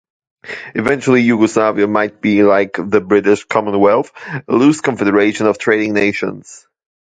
Eventually Yugoslavia might be like the British Commonwealth, a loose confederation of trading nations.